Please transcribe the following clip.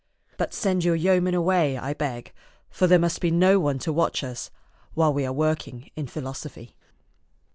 But send your yeoman away, I beg, for there must be no one to watch us while we are working in philosophy."